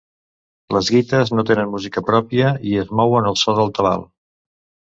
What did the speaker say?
Les guites no tenen música pròpia i es mouen al so del Tabal.